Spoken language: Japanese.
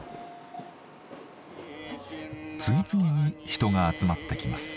次々に人が集まってきます。